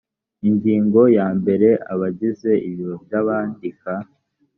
ingingo ya mbere abagize ibiro by abandika